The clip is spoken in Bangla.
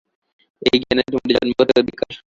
এই জ্ঞানে তোমাদের জন্মগত অধিকার।